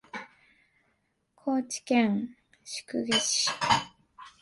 高知県宿毛市